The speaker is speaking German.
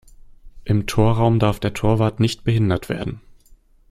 Im Torraum darf der Torwart nicht behindert werden.